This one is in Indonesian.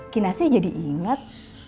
kinasi jadi inget